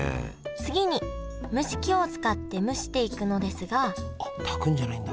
次に蒸し器を使って蒸していくのですがあ炊くんじゃないんだ？